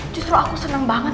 justru aku seneng banget